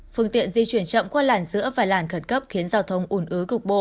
phương tiện di chuyển chậm qua làn giữa vài làn khẩn cấp khiến giao thông ủn ứ cục bộ